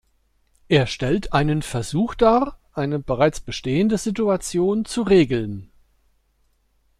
Er stellt einen Versuch dar, eine bereits bestehende Situation zu regeln.